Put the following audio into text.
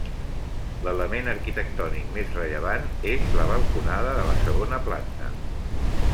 L'element arquitectònic més rellevant és la balconada de la segona planta.